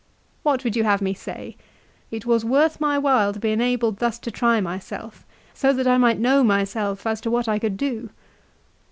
What would you have me say ? It was worth my while to be enabled thus to try myself, so that I might know myself as to what I could do."